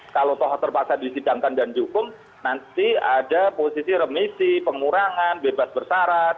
kalau toh terpaksa disidangkan dan dihukum nanti ada posisi remisi pengurangan bebas bersarat